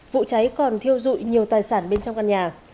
vụ cháy còn thiêu dụi nhiều tài sản bên trong căn nhà